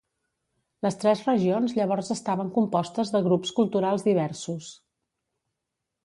Les tres regions llavors estaven compostes de grups culturals diversos.